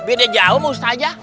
beda jauh mustah aja